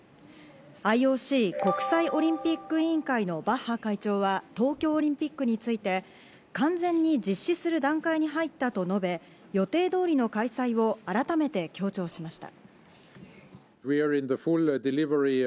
ＩＯＣ＝国際オリンピック委員会のバッハ会長は東京オリンピックについて完全に実施する段階に入ったと述べ、予定通りの開催を改めて強調しました。